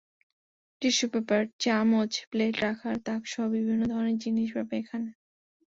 Tissue paper, চামচ, plate রাখার তাকসহ বিভিন্ন ধরনের জিনিস পাবেন এখানে।